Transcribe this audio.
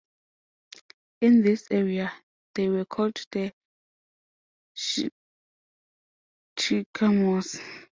In this area they were called the "Schickamoos".